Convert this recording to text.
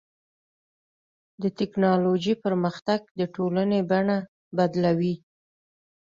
د ټکنالوجۍ پرمختګ د ټولنې بڼه بدلوي.